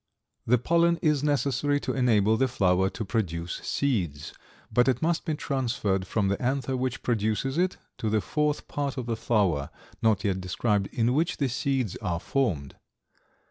The pollen is necessary to enable the flower to produce seeds, but it must be transferred from the anther which produces it to the fourth part of the flower, not yet described, in which the seeds are formed.